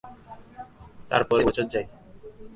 তার পরে দু বছর যায়।